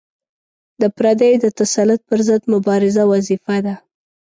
د پردیو د تسلط پر ضد مبارزه وظیفه ده.